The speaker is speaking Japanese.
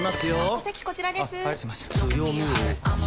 お席、こちらです。